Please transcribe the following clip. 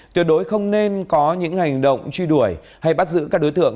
tuyệt đối không nên có những hành động truy đuổi hay bắt giữ các đối tượng